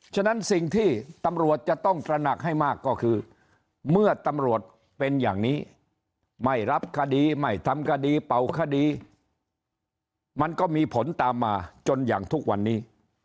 ฉะนั้นสิ่งที่ตำรวจจะต้องตระหนักให้มากก็คือเมื่อตำรวจเป็นอย่างนี้ไม่รับคดีไม่ทำคดีเป่าคดีมันก็มีผลตามมาจนอย่างทุกวันนี้